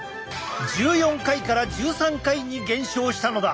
１４回から１３回に減少したのだ！